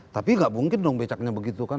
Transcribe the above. tapi nggak mungkin dong becaknya begitu kan